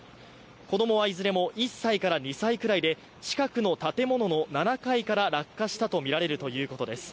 子供はいずれも１歳から２歳くらいで近くの建物の７階から落下したとみられるということです。